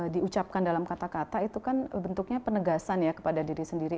diucapkan dalam kata kata itu kan bentuknya penegasan ya kepada diri sendiri